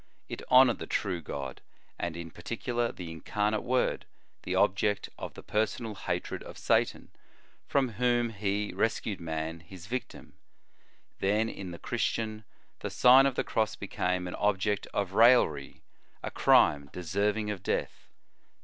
It honored the true God, and, in particular, the Incarnate Word, the object of the personal hatred of Satan, from whom He . rescued man, his victim ; then in the Christian, the Sign of the Cross became an object of raillery, a crime deserving of death.